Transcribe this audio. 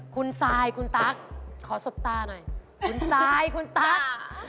คุณซายคุณตั๊กขอสบตาหน่อยคุณซายคุณตั๊ก